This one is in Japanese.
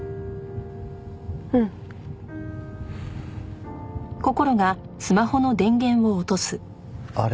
うん。あれ？